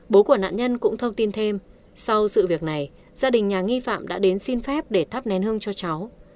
bố của nạn nhân cũng thông tin thêm sau sự việc này gia đình nhà nghi phạm đã đến xin phép để thắp nén hương cho cháu